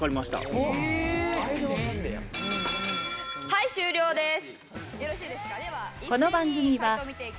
はい終了です。